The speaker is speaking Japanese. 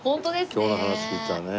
今日の話聞いてたらね。